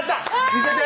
見せて！